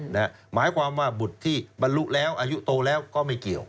หมายความว่าบุตรที่บรรลุแล้วอายุโตแล้วก็ไม่เกี่ยว